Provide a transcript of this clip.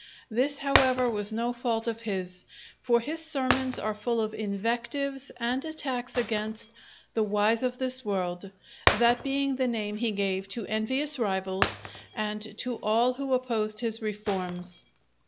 This, however, was no fault of his; for his sermons are full of invectives and attacks against "the wise of this world," that being the name he gave to envious rivals and to all who opposed his reforms.